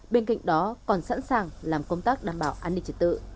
bên cạnh đó còn sẵn sàng làm công tác đảm bảo an ninh trật tự